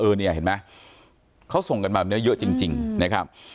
เออเนี่ยเห็นมั้ยเขาส่งกันมาเนื้อเยอะจริงนะครับ